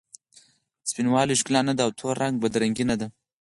سپین والې ښکلا نه ده او تور رنګ بد رنګي نه ده.